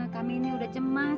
kami ini udah cemas